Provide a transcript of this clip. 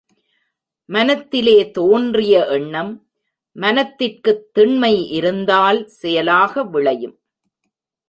மனத்திலே தோன்றிய எண்ணம் மனத்திற்குத் திண்மை இருந்தால் செயலாக விளையும்.